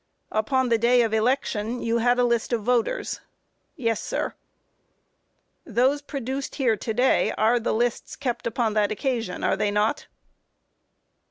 Q. Upon the day of election you had a list of voters? A. Yes, sir. Q. Those produced here to day are the lists kept upon that occasion, are they not?